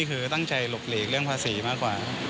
คือตั้งใจหลบหลีกเรื่องภาษีมากกว่า